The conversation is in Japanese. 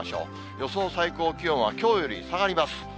予想最高気温は、きょうより下がります。